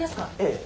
ええ。